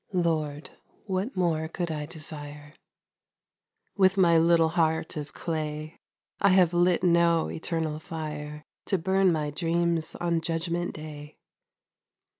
Lord, what more could I desire ? With my little heart of clay I have lit no eternal fire To burn my dreams on Judgment Day